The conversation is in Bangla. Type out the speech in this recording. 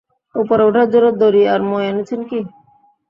উপরে ওঠার জন্য দড়ি আর মই এনেছেন কী?